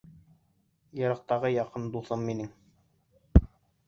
Йыраҡтағы яҡын дуҫым минең.